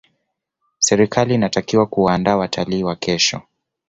serikaoli inatakiwa kuwaandaa watalii wa kesho